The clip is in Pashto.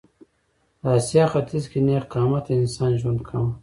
د اسیا ختیځ کې نېغ قامته انسان ژوند کاوه.